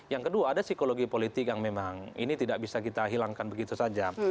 yang kedua ada psikologi politik yang memang ini tidak bisa kita hilangkan begitu saja